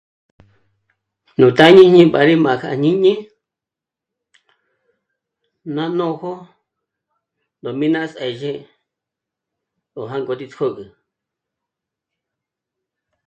Nú ndà 'ìjñi'i m'á rí m'â'a kja jñíni ná nójo n'ó'mí ná s'ězhi gó jândoji pjǜgü